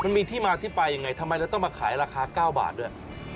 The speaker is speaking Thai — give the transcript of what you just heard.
มันมีที่มาที่ไปยังไงทำไมเราต้องมาขายราคา๙บาทด้วย